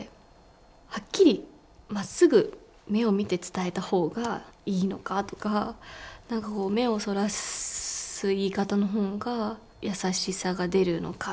はっきりまっすぐ目を見て伝えたほうがいいのかとか何かこう目をそらす言い方のほうが優しさが出るのかとか。